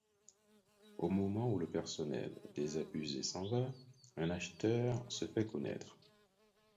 Au moment où le personnel, désabusé, s'en va, un acheteur se fait connaître.